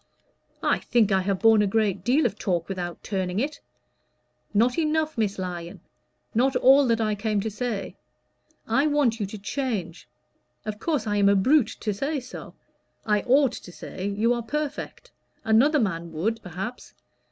"I think I have borne a great deal of talk without turning it." "Not enough, Miss Lyon not all that I came to say. I want you to change. Of course I am a brute to say so. I ought to say you are perfect. Another man would, perhaps.